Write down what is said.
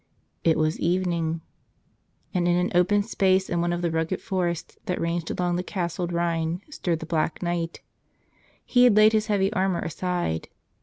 It was evening. And in an open space in one of the rugged forests that ranged along the castled Rhine strode the Black Knight. He had laid his heavy armor aside.